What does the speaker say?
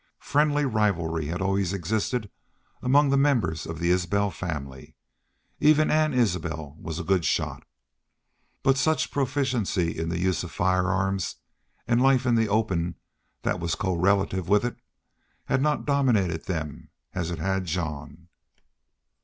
Friendly rivalry had always existed among the members of the Isbel family: even Ann Isbel was a good shot. But such proficiency in the use of firearms and life in the open that was correlative with it had not dominated them as it had Jean.